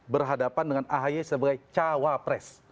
berhadapan dengan ahy sebagai cawapres